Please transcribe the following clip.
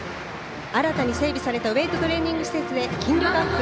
新たに整備されたウエイトトレーニング施設で筋力アップ。